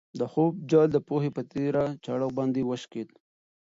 د خوب جال د پوهې په تېره چاړه باندې وشکېد.